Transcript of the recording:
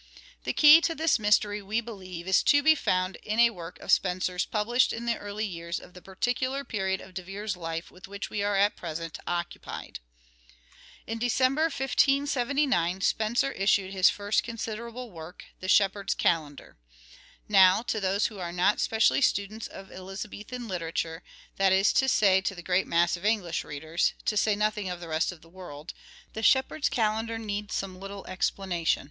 The key to this mystery, we believe, is to be found " The ,, c j ,..,,.,,., Shepherd's in a work of Spenser s published in the early years of Calender." the particular period of De Vere's life with which we are at present occupied. In December 1579 Spenser issued his first considerable work, " The Shepherd's Calender." Now, to those who are not specially students of Elizabethan literature, that is to say to the great mass of English readers, to say nothing of the rest of the world, " The Shepherd's Calender " needs some little explanation.